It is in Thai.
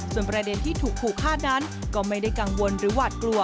ส่วนประเด็นที่ถูกขู่ฆ่านั้นก็ไม่ได้กังวลหรือหวาดกลัว